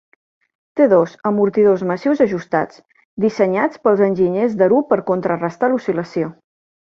Té dos amortidors massius ajustats, dissenyats pels enginyers d'Arup per contrarestar l'oscil·lació.